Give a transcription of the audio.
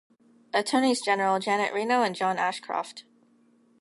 Attorneys General Janet Reno and John Ashcroft.